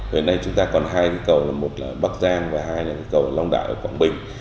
hồi nay chúng ta còn hai cây cầu là một là bắc giang và hai là cây cầu long đạo ở quảng bình